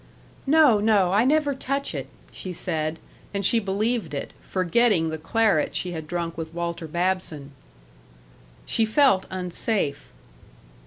"No, no, I never touch it," she said, and she believed it, forgetting the claret she had drunk with Walter Babson. She felt unsafe.